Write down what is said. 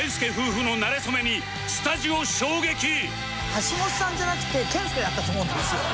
橋本さんじゃなくて健介だったと思うんですよ。